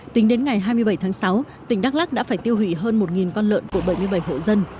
tính đến ngày hai mươi bảy tháng sáu tỉnh đắk lắc đã phải tiêu hủy hơn một con lợn của bảy mươi bảy hộ dân